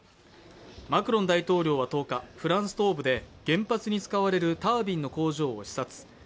マクロン大統領は１０日、フランス東部で原発に使われるタービンの工場を視察。